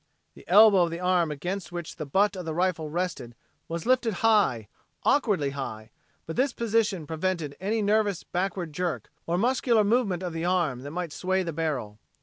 The elbow of the arm against which the butt of the rifle rested was lifted high, awkwardly high, but this position prevented any nervous backward jerk or muscular movement of the arm that might sway the barrel.